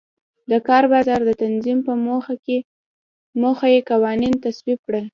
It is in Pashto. د کار بازار د تنظیم په موخه یې قوانین تصویب کړل.